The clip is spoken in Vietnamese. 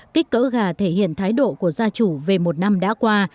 kích cỡ gà thể hiện thái độ của gia chủ về một năm đã qua